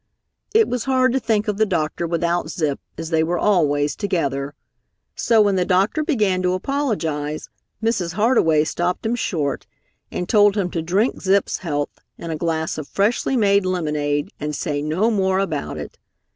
It was hard to think of the doctor without Zip, as they were always together. So when the doctor began to apologize, Mrs. Hardway stopped him short, and told him to drink Zip's health in a glass of freshly made lemonade, and say no more about it.